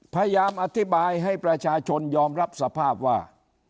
พยายามอธิบายให้ประชาชนยอมรับสภาพว่า